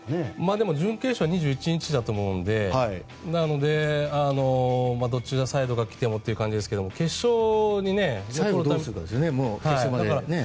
でも、準決勝２１日だと思うのでなので、どちらサイドが来てもという感じですけど最後、どうするかですね。